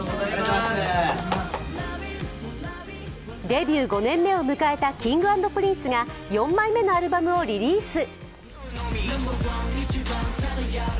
デビュー５年目を迎えたＫｉｎｇ＆Ｐｒｉｎｃｅが４枚目のアルバムをリリース。